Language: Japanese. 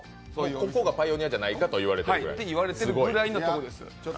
ここがパイオニアじゃないかと言われているくらい。